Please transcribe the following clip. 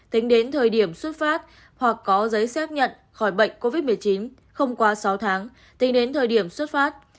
tính đến thời điểm xuất phát hoặc có giấy xác nhận khỏi bệnh covid một mươi chín không quá sáu tháng tính đến thời điểm xuất phát